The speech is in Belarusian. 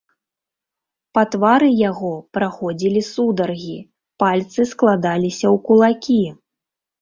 Па твары яго праходзілі сударгі, пальцы складаліся ў кулакі.